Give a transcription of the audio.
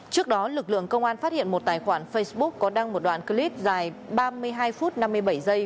trước đó lực lượng công an phát hiện một tài khoản facebook có đăng một đoạn clip dài ba mươi hai phút năm mươi bảy giây